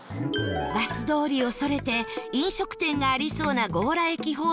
バス通りをそれて飲食店がありそうな強羅駅方面に行くのか？